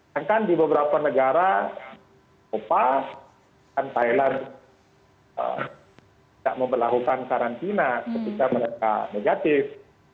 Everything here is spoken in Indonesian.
karena kan di beberapa negara kepala thailand tidak mau melakukan karantina ketika mereka negatif